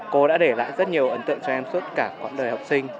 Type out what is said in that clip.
cô đã để lại rất nhiều ấn tượng cho em suốt cả quãng đời học sinh